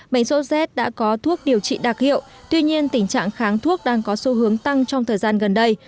bệnh sốt z đã có thuốc điều trị đặc hiệu tuy nhiên tình trạng kháng thuốc đang có xu hướng tăng trong thời gian gần đây